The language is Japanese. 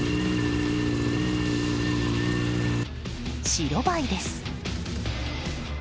白バイです。